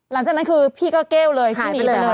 หลังจากนั้นคือพี่ก็แก้วเลยพี่หนีไปเลย